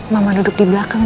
mamah duduk di belakang